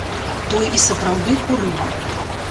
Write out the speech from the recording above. Той і сапраўды курыў.